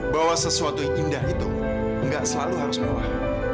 bahwa sesuatu yang indah itu enggak selalu harus mewah